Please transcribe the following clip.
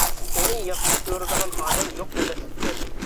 ئۇنى ياخشى كۆرىدىغان ئادەم يوق ئەمەس ئىكەن.